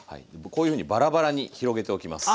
こういうふうにバラバラに広げておきます。